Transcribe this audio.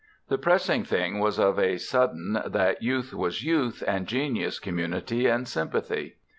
The pressing thing was of a sudden that youth was youth and genius community and sympathy.